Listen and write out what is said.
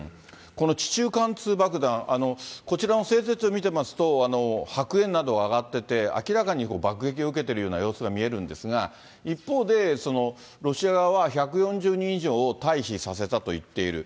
この地中貫通爆弾、こちらの製鉄所を見てますと、白煙などが上がっていて、明らかに爆撃を受けてる様子が見えるんですが、一方で、ロシア側は１４０人以上を退避させたと言っている。